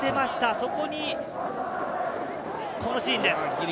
そこに、このシーンです。